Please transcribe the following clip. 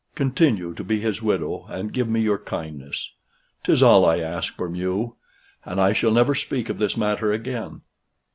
Continue to be his widow, and give me your kindness. 'Tis all I ask from you; and I shall never speak of this matter again."